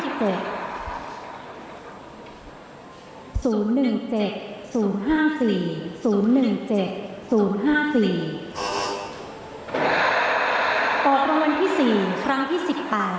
ต่อทะวันที่๔ครั้งที่๑๗